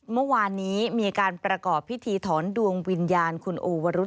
เมื่อวานนี้มีการประกอบพิธีถอนดวงวิญญาณคุณโอวรุธ